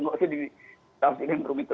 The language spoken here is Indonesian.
enggak usah dirumit rumit